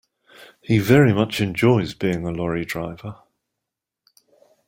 He very much enjoys being a lorry driver